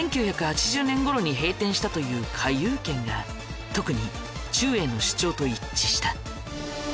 １９８０年ごろに閉店したという花遊軒が特にちゅうえいの主張と一致した。